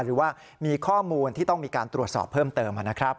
หรือว่ามีข้อมูลที่ต้องมีการตรวจสอบเพิ่มเติมนะครับ